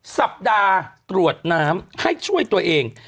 สัปดาห์ตรวจน้ำให้ช่วยตัวเอง